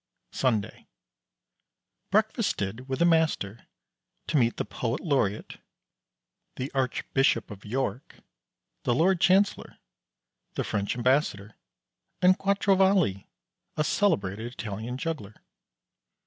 Sunday. Breakfasted with the Master to meet the Poet Laureate, the Archbishop of York, the Lord Chancellor, the French ambassador, and Quattrovalli, a celebrated Italian juggler.